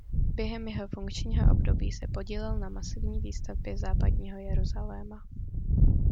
Během jeho funkčního období se podílel na masivní výstavbě Západního Jeruzaléma.